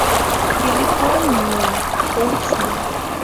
د لیکوال نوم پوه شوم.